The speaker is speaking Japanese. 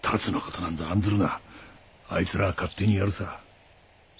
あいつらは勝手にやるさ。